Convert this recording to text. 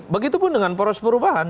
begitupun dengan poros perubahan